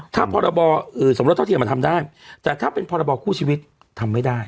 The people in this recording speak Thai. ถ้าพรบสมรสเท่าเทียมมันทำได้แต่ถ้าเป็นพรบคู่ชีวิตทำไม่ได้